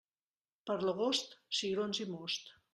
Per l'agost, cigrons i most.